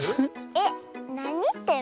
えっなにってる？